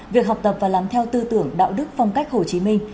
việc học tập và làm theo tư tưởng đạo đức phong cách hồ chí minh